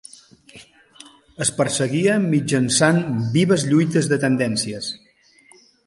Es perseguia mitjançant vives lluites de tendències.